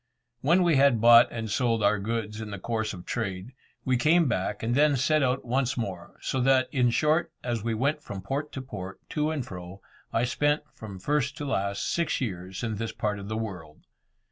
When we had bought and sold our goods in the course of trade, we came back, and then set out once more; so that, in short, as we went from port to port, to and fro, I spent, from first to last, six years in this part of the world.